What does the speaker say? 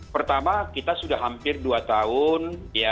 pertama kita sudah hampir dua tahun